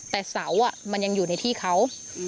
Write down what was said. แต่เสามันยังอยู่ในที่เขา